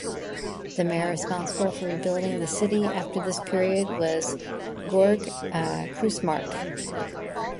The mayor responsible for rebuilding the city after this period was Georg Krusemarck.